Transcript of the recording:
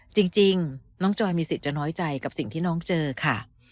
จริงน้องจอยมีสิทธิ์จะน้อยใจกับสิ่งที่น้องเจอค่ะ